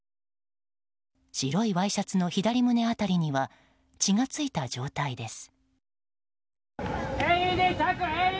白いワイシャツの左胸辺りには血がついた状態です。